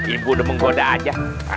ibu udah menggoda aja